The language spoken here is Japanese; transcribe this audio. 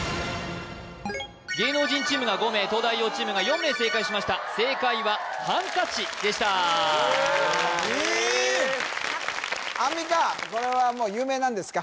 芸能人チームが５名東大王チームが４名正解しました正解はハンカチでしたアンミカこれは有名なんですか？